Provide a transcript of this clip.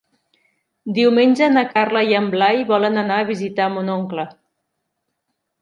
Diumenge na Carla i en Blai volen anar a visitar mon oncle.